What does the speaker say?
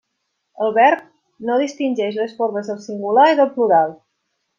El verb no distingeix les formes del singular i del plural.